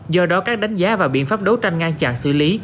do đó các đánh giá và biện pháp đấu tranh ngăn chặn xử lý